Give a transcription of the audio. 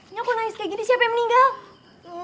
nya kok naik kayak gini siapa yang meninggal